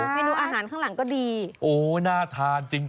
เมนูอาหารข้างหลังก็ดีโอ้น่าทานจริง